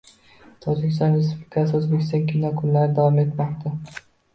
Tojikiston Respublikasida “O‘zbek kinosi kunlari” davom etmoqda